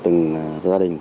từng gia đình